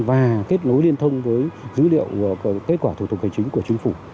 và kết nối liên thông với dữ liệu kết quả thủ tục hành chính của chính phủ